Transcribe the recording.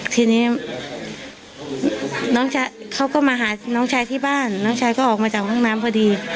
ทีนี้เขาก็มาหาน้องชายที่บ้านน้องชายก็ออกมาจากห้องน้ำพอดี